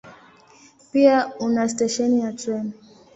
Pia una stesheni ya treni.